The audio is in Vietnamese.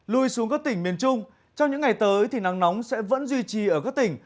lui xuống các tỉnh miền trung trong những ngày tới thì nắng nóng sẽ vẫn duy trì ở các tỉnh